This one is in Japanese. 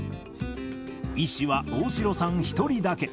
医師は大城さん１人だけ。